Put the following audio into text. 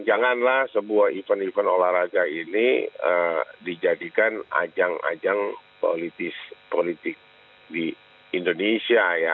janganlah sebuah event event olahraga ini dijadikan ajang ajang politik di indonesia ya